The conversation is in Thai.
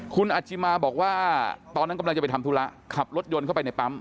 คุณอาจิมาบอกว่าตอนนั้นกำลังจะไปทำธุระขับรถยนต์เข้าไปในปั๊ม